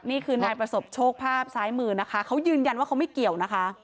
นี่คือนายประสบโชคภาพซ้ายมือนะคะเขายืนยันว่าเขาไม่เกี่ยวนะคะ